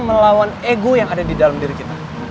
melawan ego yang ada di dalam diri kita